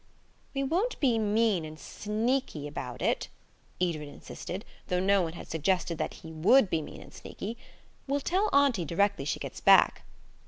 "We won't be mean and sneaky about it," Edred insisted, though no one had suggested that he would be mean and sneaky. "We'll tell auntie directly she gets back."